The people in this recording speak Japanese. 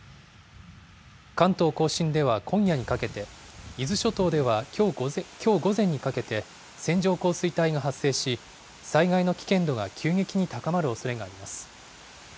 関東甲信では今夜にかけて、伊豆諸島ではきょう午前にかけて、線状降水帯が発生し、災害の危険度が急激に高まるおそれがあります。